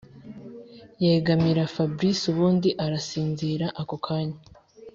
yegamira fabric ubundi arasinzira ako kanya